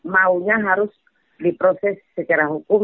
maunya harus diproses secara hukum